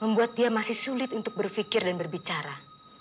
membuat dia masih sulit untuk berpikir dan berbicara